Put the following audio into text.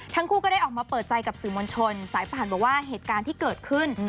ทั้งคู่ก็ได้ออกมาเปิดใจกับสื่อมวลชนสายผ่านบอกว่าเหตุการณ์ที่เกิดขึ้น